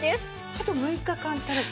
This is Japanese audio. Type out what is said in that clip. あと６日間足らず？